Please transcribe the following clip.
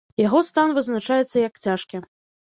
Яго стан вызначаецца як цяжкі.